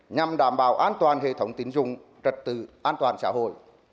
nhằm đảm bảo an toàn hệ thống tín dụng trật tự an toàn xã hội